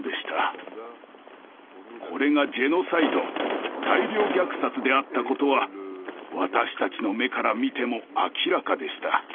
これがジェノサイド大量虐殺であったことは私たちの目から見ても明らかでした。